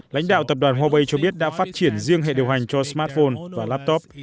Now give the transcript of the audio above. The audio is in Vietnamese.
lãnh đạo tập đoàn huawei cho biết đã phát triển riêng hệ điều hành cho smartphone và laptop